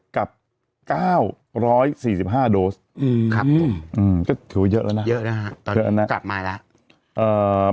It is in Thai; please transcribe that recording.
ครับคือเยอะแล้วนะเยอะแล้วครับตอนนี้กลับมาแล้ว